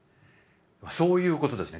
そういうことですね